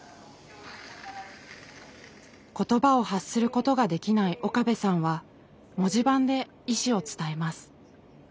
言葉を発することができない岡部さんは文字盤で意思を伝えます。